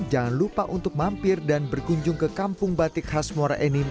jangan lupa untuk mampir dan berkunjung ke kampung batik khas muara enim